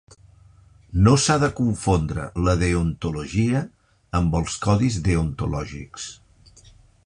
No s'ha de confondre la deontologia amb els codis deontològics.